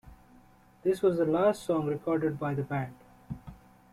This was the last song recorded by the band.